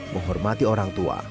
menghormati orang tua